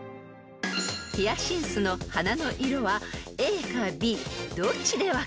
［ヒヤシンスの花の色はＡかＢどっちで分かる？］